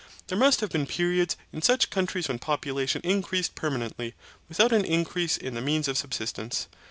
There must have been periods in such counties when population increased permanently, without an increase in the means of subsistence.